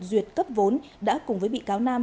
duyệt cấp vốn đã cùng với bị cáo nam